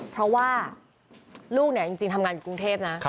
เพราะว่าลูกเนี่ยจริงทำงานอยู่กรุงเทพนะ